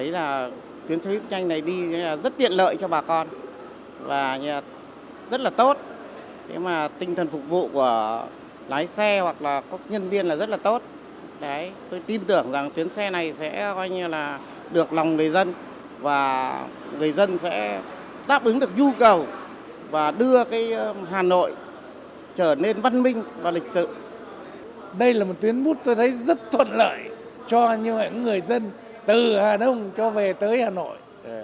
đây là một tuyến bút tôi thấy rất thuận lợi cho những người dân từ hà nông cho về tới hà nội